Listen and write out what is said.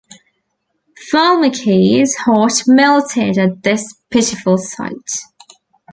Valmiki's heart melted at this pitiful sight.